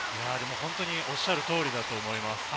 本当におっしゃる通りだと思います。